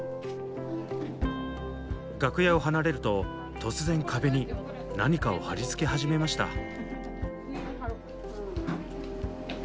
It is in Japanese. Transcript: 楽屋を離れると突然壁に何かを貼り付け始めました。